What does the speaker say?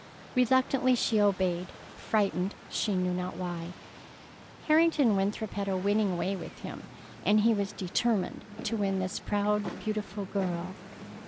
Reluctantly she obeyed, frightened, she knew not why. Harrington Winthrop had a winning way with him, and he was determined to win this proud, beautiful girl.